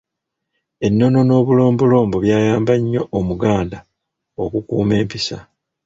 Ennono n'obulombolombo byayamba nnyo Omuganda okukuuma empisa.